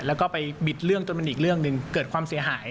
แล้วก็ไปบิดเรื่องจนมันอีกเรื่องหนึ่งเกิดความเสียหาย